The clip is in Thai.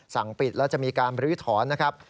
สั่งปิดแล้วจะมีการบริวิทธรณ์นะครับ